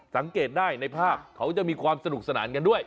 สังเกตได้ในภาพเขาจะมีความสนุกสนานกันด้วย